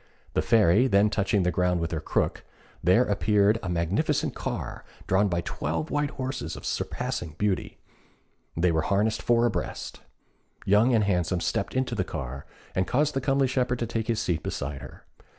The Fairy then touching the ground with her crook, there appeared a magnificent car, drawn by twelve white horses of surpassing beauty. They were harnessed four abreast. Young and Handsome stepped into the car, and caused the comely shepherd to take his seat beside her.